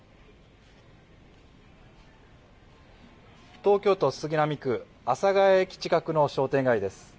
東京都杉並区阿佐ケ谷駅近くの商店街です。